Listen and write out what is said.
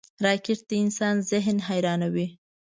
راکټ د انسان ذهن حیرانوي